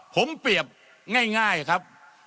ผมเปรียบง่ายครับ